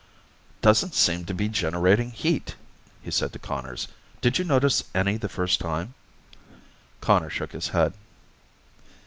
"Doesn't seem to be generating heat," he said to Conners. "Did you notice any the first time?" Conners shook his head.